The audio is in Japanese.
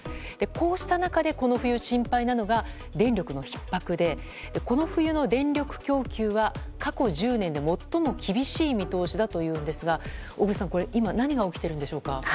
こうした中で、この冬心配なのが電力のひっ迫でこの冬の電力供給は過去１０年で最も厳しい見通しだというんですが小栗さん何が起きているんでしょうか。